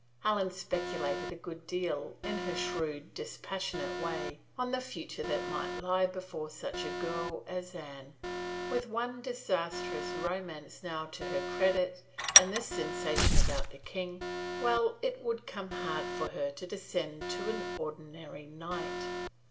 Helen speculated a good deal, in her shrewd, dispas sionate way, on the future that might lie before such a girl as Anne. With one disastrous romance now to her credit and this sensation about the king — well, it would come hard for her to descend to an ordinary knight.